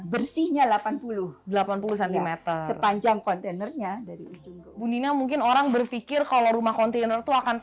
bersihnya delapan puluh delapan puluh cm sepanjang kontainernya dari ujung bu nina mungkin orang berpikir kalau rumah kontainer itu akan